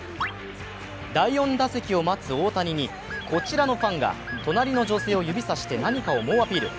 第４打席を待つ大谷にこちらのファンが隣の女性を指さして何かを猛アピール。